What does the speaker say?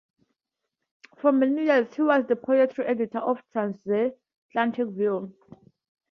For many years he was the poetry editor of "Transatlantic Review".